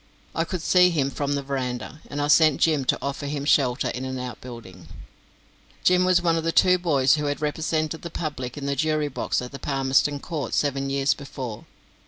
I could see him from the verandah, and I sent Jim to offer him shelter in an outbuilding. Jim was one of the two boys who had represented the public in the jury box at the Palmerston court seven years before.